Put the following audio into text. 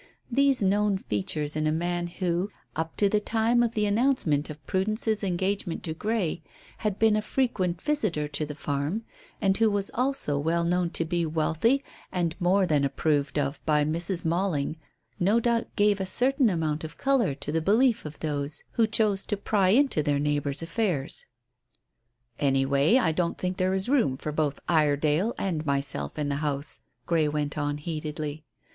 These known features in a man who, up to the time of the announcement of Prudence's engagement to Grey, had been a frequent visitor to the farm, and who was also well known to be wealthy and more than approved of by Mrs. Malling, no doubt, gave a certain amount of colour to the belief of those who chose to pry into their neighbours' affairs. "Anyway I don't think there is room for both Iredale and myself in the house," Grey went on heatedly.